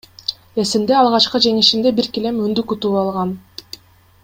Эсимде, алгачкы жеңишимде бир килем, үндүк утуп алгам.